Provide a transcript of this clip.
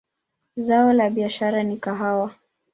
Zao la biashara ni kahawa.